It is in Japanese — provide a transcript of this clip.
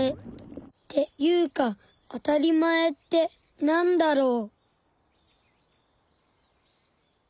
っていうかあたりまえってなんだろう。